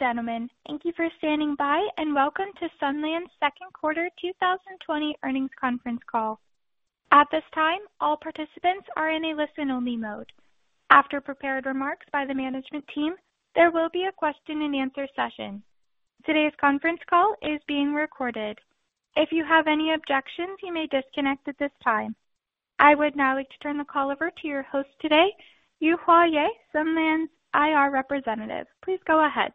Ladies and gentlemen, thank you for standing by, and welcome to Sunlands' Second Quarter 2020 Earnings Conference Call. At this time, all participants are in a listen-only mode. After prepared remarks by the management team, there will be a question-and-answer session. Today's conference call is being recorded. If you have any objections, you may disconnect at this time. I would now like to turn the call over to your host today, Yuhua Ye, Sunlands IR Representative. Please go ahead.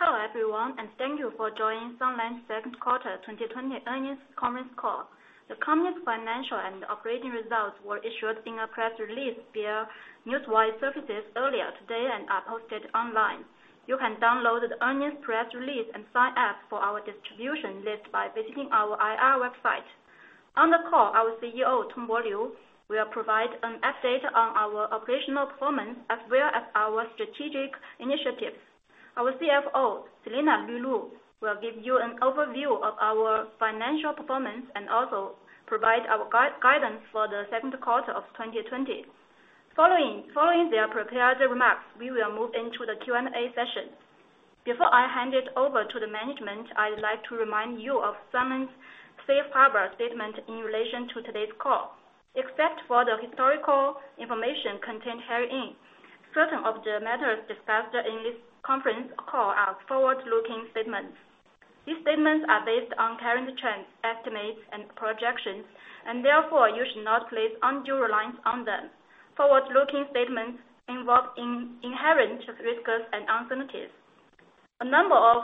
Hello, everyone, thank you for joining Sunlands' Second Quarter 2020 Earnings Conference Call. The company's financial and operating results were issued in a press release via Newswire services earlier today and are posted online. You can download the earnings press release and sign up for our distribution list by visiting our IR website. On the call, our CEO, Tongbo Liu, will provide an update on our operational performance as well as our strategic initiatives. Our CFO, Selena Lu Lv, will give you an overview of our financial performance and also provide our guidance for the second quarter of 2020. Following their prepared remarks, we will move into the Q&A session. Before I hand it over to the management, I would like to remind you of Sunlands' safe harbor statement in relation to today's call. Except for the historical information contained herein, certain of the matters discussed in this conference call are forward-looking statements. These statements are based on current trends, estimates, and projections, and therefore you should not place undue reliance on them. Forward-looking statements involve inherent risks and uncertainties. A number of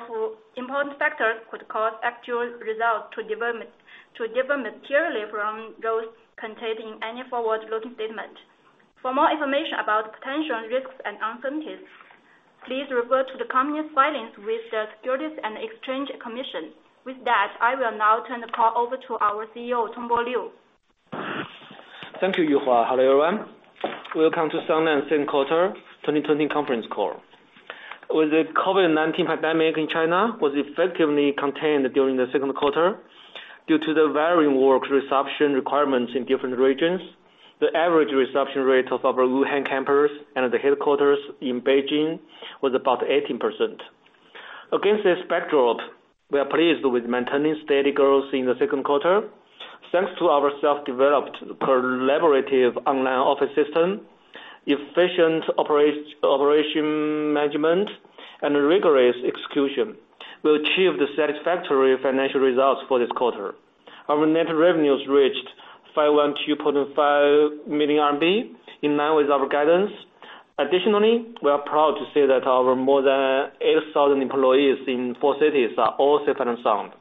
important factors could cause actual results to differ materially from those contained in any forward-looking statement. For more information about potential risks and uncertainties, please refer to the company's filings with the Securities and Exchange Commission. With that, I will now turn the call over to our CEO, Tongbo Liu. Thank you, Yuhua. Hello, everyone. Welcome to Sunlands' second quarter 2020 conference call. With the COVID-19 pandemic in China was effectively contained during the second quarter, due to the varying work resumption requirements in different regions, the average resumption rate of our Wuhan campus and the headquarters in Beijing was about 18%. Against this backdrop, we are pleased with maintaining steady growth in the second quarter. Thanks to our self-developed collaborative online office system, efficient operation management, and rigorous execution, we achieved satisfactory financial results for this quarter. Our net revenues reached 512.5 million RMB, in line with our guidance. Additionally, we are proud to say that our more than 8,000 employees in four cities are all safe and sound.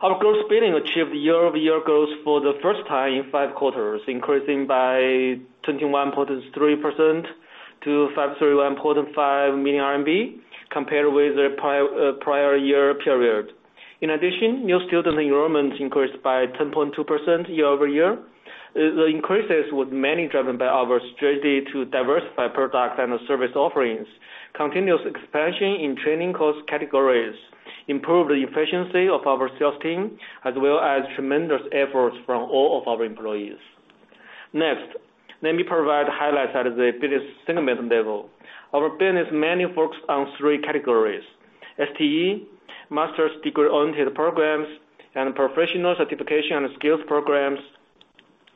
Our gross billing achieved year-over-year growth for the first time in five quarters, increasing by 21.3% to 531.5 million RMB compared with the prior year period. In addition, new student enrollments increased by 10.2% year-over-year. The increases were mainly driven by our strategy to diversify product and service offerings, continuous expansion in training course categories, improve the efficiency of our sales team, as well as tremendous efforts from all of our employees. Next, let me provide highlights at the business segment level. Our business mainly focuses on three categories, STE, master's degree-oriented programs, and professional certification and skills programs.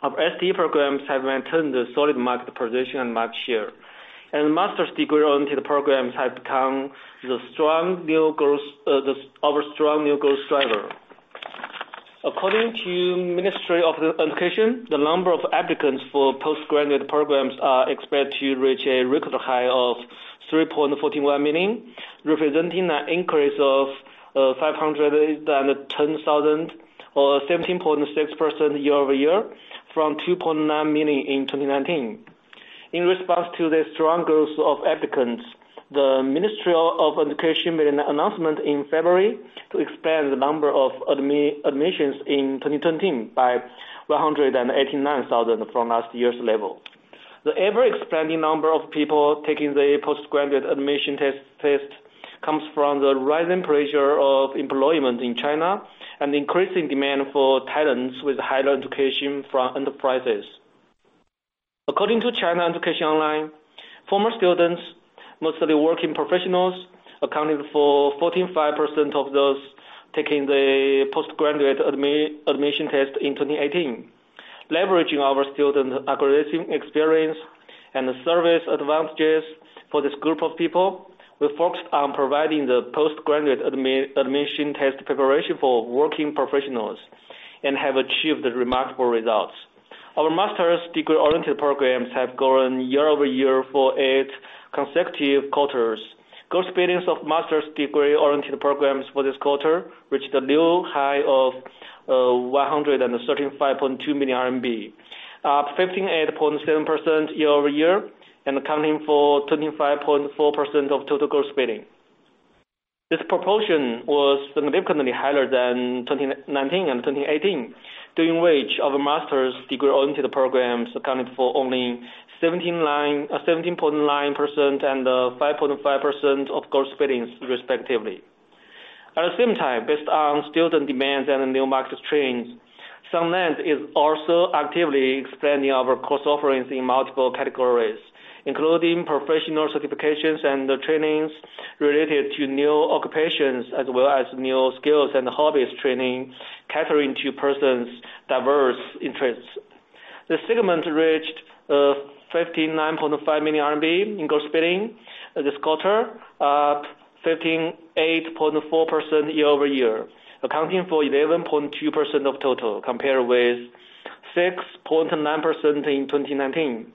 Our STE programs have maintained a solid market position and market share, and master's degree-oriented programs have become our strong new growth driver. According to the Ministry of Education, the number of applicants for postgraduate programs are expected to reach a record high of 3.41 million, representing an increase of 510,000 or 17.6% year-over-year from 2.9 million in 2019. In response to the strong growth of applicants, the Ministry of Education made an announcement in February to expand the number of admissions in 2020 by 189,000 from last year's level. The ever-expanding number of people taking the postgraduate admission test comes from the rising pressure of employment in China and increasing demand for talents with higher education from enterprises. According to China Education Online, former students, mostly working professionals, accounted for 45% of those taking the postgraduate admission test in 2018. Leveraging our student acquisition experience and service advantages for this group of people, we focused on providing the postgraduate admission test preparation for working professionals and have achieved remarkable results. Our master's degree-oriented programs have grown year-over-year for eight consecutive quarters. Gross billings of master's degree-oriented programs for this quarter reached a new high of 135.2 million RMB, up 158.7% year-over-year and accounting for 25.4% of total gross billing. This proportion was significantly higher than 2019 and 2018, during which our master's degree-oriented programs accounted for only 17.9% and 5.5% of gross billings respectively. At the same time, based on student demands and the new market trends, Sunlands is also actively expanding our course offerings in multiple categories, including professional certifications and the trainings related to new occupations, as well as new skills and hobbies training, catering to persons' diverse interests. The segment reached 59.5 million RMB in gross billing this quarter, up 58.4% year-over-year, accounting for 11.2% of total, compared with 6.9% in 2019.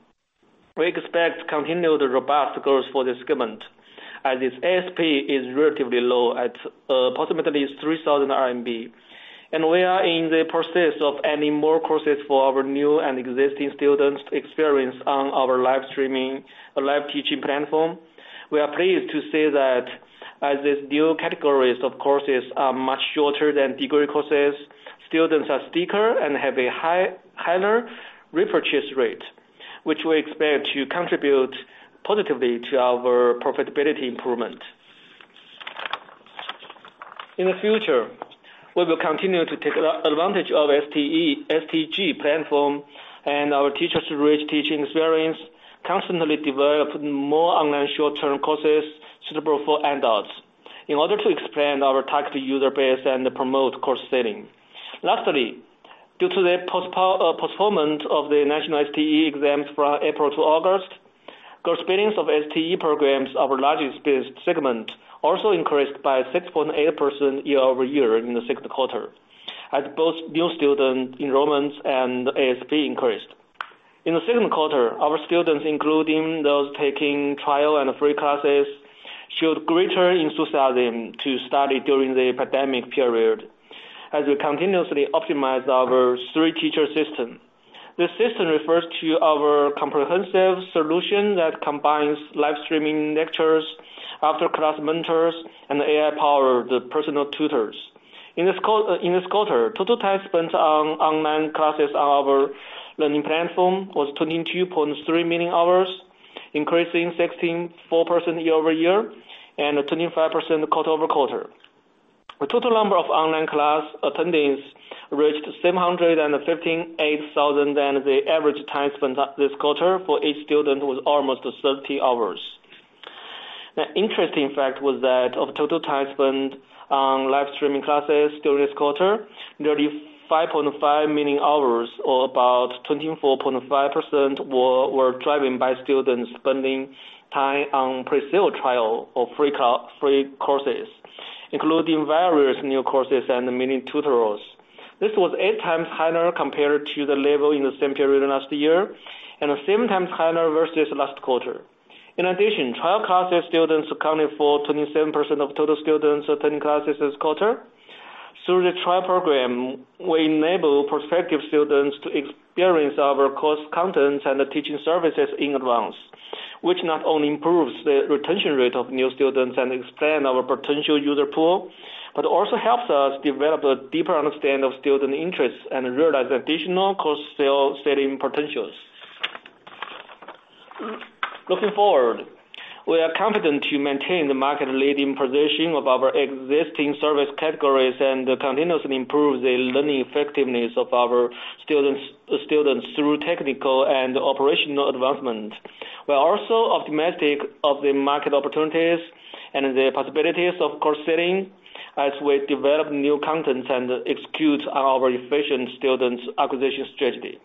We expect continued robust growth for this segment, as its ASP is relatively low at approximately 3,000 RMB. We are in the process of adding more courses for our new and existing students to experience on our live streaming or live teaching platform. We are pleased to say that as these new categories of courses are much shorter than degree courses, students are stickier and have a higher repurchase rate, which we expect to contribute positively to our profitability improvement. In the future, we will continue to take advantage of STG platform and our teachers' rich teaching experience, constantly develop more online short-term courses suitable for adults, in order to expand our target user base and promote course selling. Lastly, due to the postponement of the national STE exams from April to August, gross billings of STE programs, our largest segment, also increased by 6.8% year-over-year in the second quarter, as both new student enrollments and ASP increased. In the second quarter, our students, including those taking trial and free classes, showed greater enthusiasm to study during the pandemic period, as we continuously optimize our three-teacher system. This system refers to our comprehensive solution that combines live streaming lectures, after-class mentors, and AI-powered personal tutors. In this quarter, total time spent on online classes on our learning platform was 22.3 million hours, increasing 16.4% year-over-year and 25% quarter-over-quarter. The total number of online class attendees reached 758,000, and the average time spent this quarter for each student was almost 30 hours. An interesting fact was that of the total time spent on live streaming classes during this quarter, nearly 5.5 million hours or about 24.5% were driven by students spending time on pre-sale trial or free courses, including various new courses and mini tutorials. This was eight times higher compared to the level in the same period last year, and the same time higher versus last quarter. In addition, trial class students accounted for 27% of total students attending classes this quarter. Through the trial program, we enable prospective students to experience our course content and the teaching services in advance, which not only improves the retention rate of new students and expand our potential user pool, but also helps us develop a deeper understanding of student interests and realize additional course sale potentials. Looking forward, we are confident to maintain the market-leading position of our existing service categories and continuously improve the learning effectiveness of our students through technical and operational advancement. We are also optimistic of the market opportunities and the possibilities of course selling as we develop new content and execute our efficient students acquisition strategy.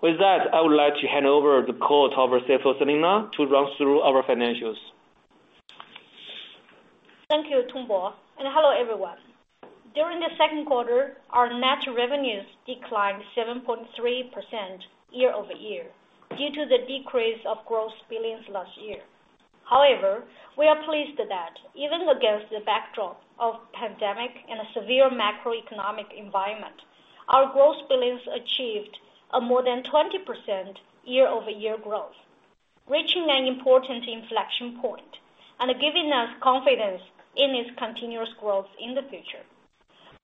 With that, I would like to hand over the call to our CFO, Selena, to run through our financials. Thank you, Tongbo, and hello, everyone. During the second quarter, our net revenues declined 7.3% year-over-year due to the decrease of gross billings last year. We are pleased that even against the backdrop of pandemic and a severe macroeconomic environment, our gross billings achieved a more than 20% year-over-year growth, reaching an important inflection point, and giving us confidence in its continuous growth in the future.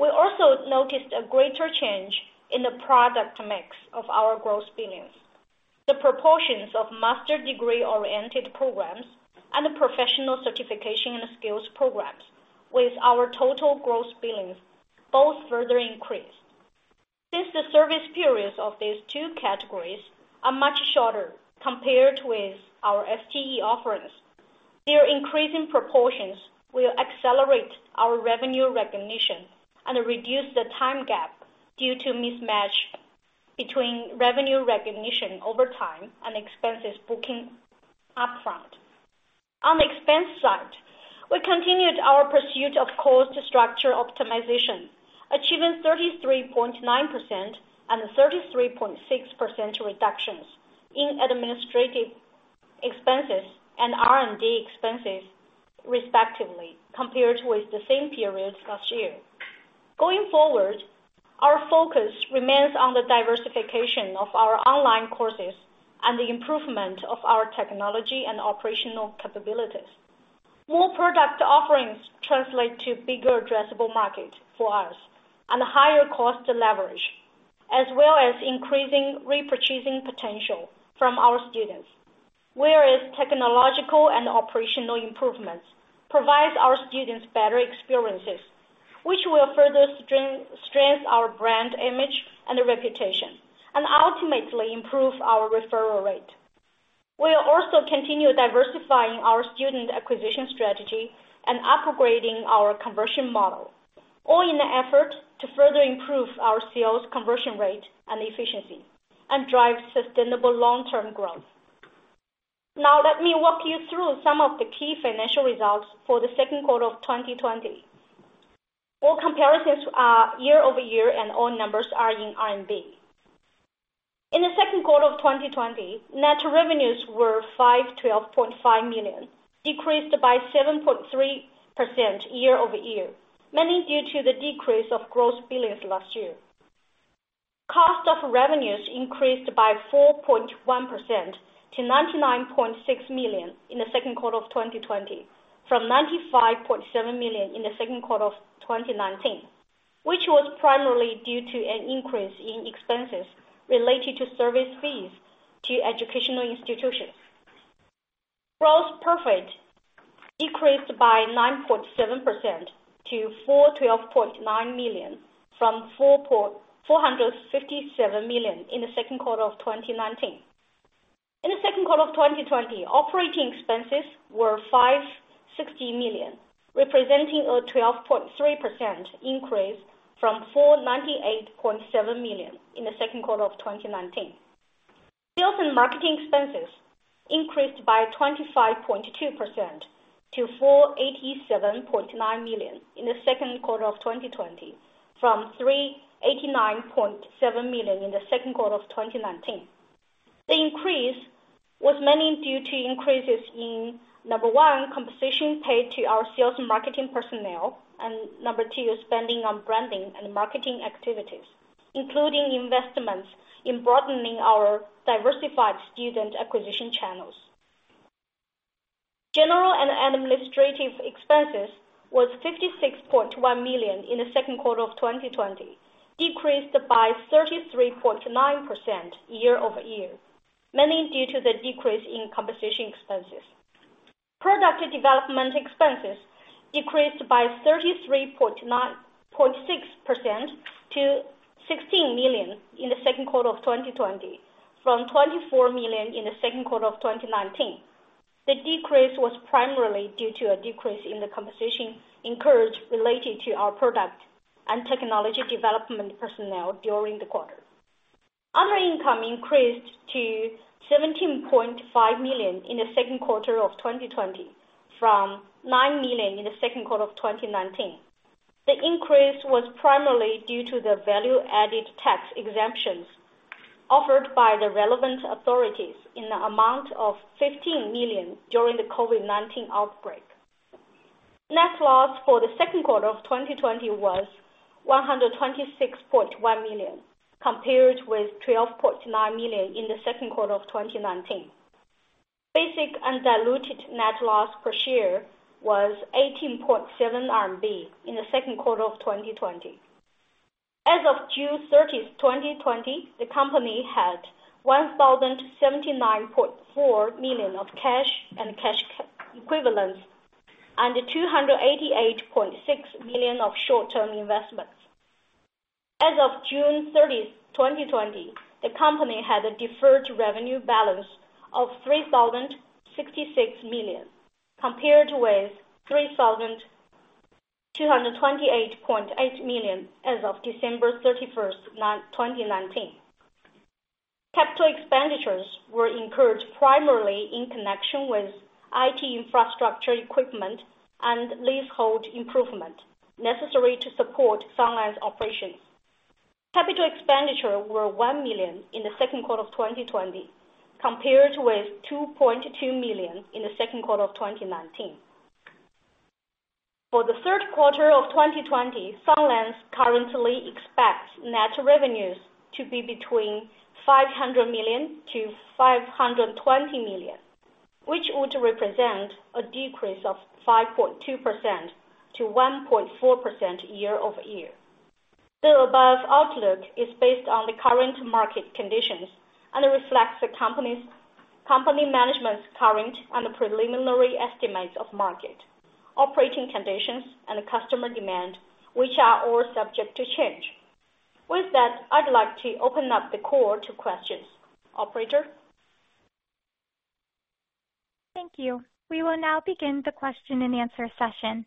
We also noticed a greater change in the product mix of our gross billings. The proportions of master degree-oriented programs and professional certification and skills programs with our total gross billings both further increased. Since the service periods of these two categories are much shorter compared with our STE offerings, their increasing proportions will accelerate our revenue recognition and reduce the time gap due to mismatch between revenue recognition over time and expenses booking upfront. On the expense side, we continued our pursuit of cost structure optimization, achieving 33.9% and 33.6% reductions in administrative expenses and R&D expenses respectively, compared with the same period last year. Going forward, our focus remains on the diversification of our online courses and the improvement of our technology and operational capabilities. More product offerings translate to bigger addressable market for us and higher cost leverage as well as increasing repurchasing potential from our students. Whereas technological and operational improvements provides our students better experiences, which will further strengthen our brand image and reputation, and ultimately improve our referral rate. We will also continue diversifying our student acquisition strategy and upgrading our conversion model, all in the effort to further improve our sales conversion rate and efficiency and drive sustainable long-term growth. Let me walk you through some of the key financial results for the second quarter of 2020. All comparisons are year-over-year, and all numbers are in CNY. In the second quarter of 2020, net revenues were 512.5 million, decreased by 7.3% year-over-year, mainly due to the decrease of gross billings last year. Cost of revenues increased by 4.1% to 99.6 million in the second quarter of 2020 from 95.7 million in the second quarter of 2019, which was primarily due to an increase in expenses related to service fees to educational institutions. Gross profit decreased by 9.7% to 412.9 million from 457 million in the second quarter of 2019. In the second quarter of 2020, operating expenses were 560 million, representing a 12.3% increase from 498.7 million in the second quarter of 2019. Sales and marketing expenses increased by 25.2% to 487.9 million in the second quarter of 2020 from 389.7 million in the second quarter of 2019. The increase was mainly due to increases in, number one, compensation paid to our sales and marketing personnel, and number two, spending on branding and marketing activities, including investments in broadening our diversified student acquisition channels. General and administrative expenses was 56.1 million in the second quarter of 2020, decreased by 33.9% year-over-year, mainly due to the decrease in compensation expenses. Product development expenses decreased by 33.6% to 16 million in the second quarter of 2020 from 24 million in the second quarter of 2019. The decrease was primarily due to a decrease in the compensation incurred related to our product and technology development personnel during the quarter. Other income increased to 17.5 million in the second quarter of 2020 from 9 million in the second quarter of 2019. The increase was primarily due to the value-added tax exemptions offered by the relevant authorities in the amount of 15 million during the COVID-19 outbreak. Net loss for the second quarter of 2020 was 126.1 million, compared with 12.9 million in the second quarter of 2019. Basic and diluted net loss per share was 18.7 RMB in the second quarter of 2020. As of June 30th, 2020, the company had 1,079.4 million of cash and cash equivalents and 288.6 million of short-term investments. As of June 30th, 2020, the company had a deferred revenue balance of 3,066 million, compared with 3,228.8 million as of December 31st, 2019. Capital expenditures were incurred primarily in connection with IT infrastructure equipment and leasehold improvement necessary to support Sunlands operations. Capital expenditure were 1 million in the second quarter of 2020, compared with 2.2 million in the second quarter of 2019. For the third quarter of 2020, Sunlands currently expects net revenues to be between 500 million-520 million, which would represent a decrease of 5.2%-1.4% year-over-year. The above outlook is based on the current market conditions and reflects the company management's current and preliminary estimates of market operating conditions and customer demand, which are all subject to change. With that, I'd like to open up the call to questions. Operator? Thank you. We will now begin the question-and-answer session.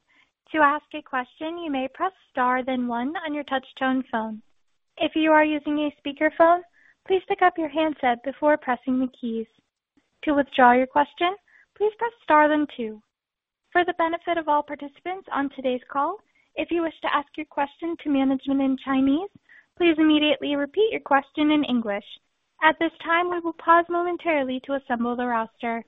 To ask a question, you may press star then one on your touchtone phone. If you are using a speakerphone, please pick up your handset before pressing the keys. To withdraw your question, please press star then two. For the benefit of all participants on today's call, if you wish to ask your question to management in Chinese, please immediately repeat your question in English. At this time, we will pause momentarily to assemble the roster.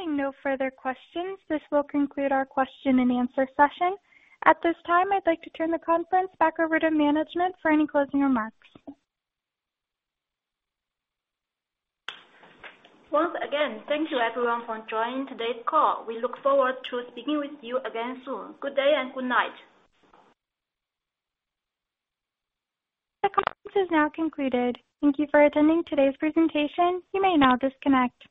Showing no further questions, this will conclude our question-and-answer session. At this time, I'd like to turn the conference back over to management for any closing remarks. Once again, thank you everyone for joining today's call. We look forward to speaking with you again soon. Good day and good night. The conference is now concluded. Thank you for attending today's presentation. You may now disconnect.